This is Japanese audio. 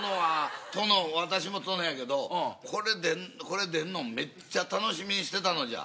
殿は私も殿やけどこれ出んのんめっちゃ楽しみにしてたのじゃ。